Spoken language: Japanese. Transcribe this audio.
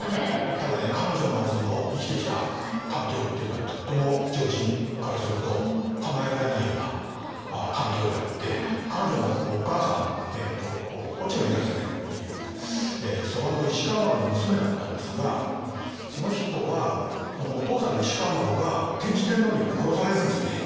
ただね彼女の生きてきた環境っていうのはとっても常人からすると考えられないような環境であって彼女のお母さん遠智娘っていう蘇我石川麻呂の娘だったんですがその人はお父さんの石川麻呂が天智天皇によって殺されるんですね。